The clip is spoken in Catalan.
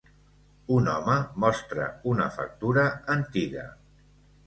Un home mostra una factura antiga